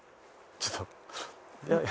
ちょっと。